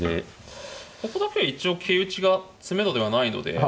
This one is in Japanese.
ここだけは一応桂打ちが詰めろではないので。